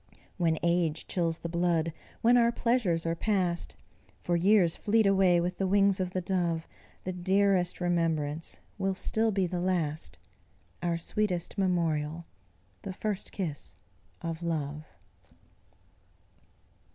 When age chills the blood, when our pleasures are past For years fleet away with the wings of the dove The dearest remembrance will still be the last, Our sweetest memorial the first kiss of love.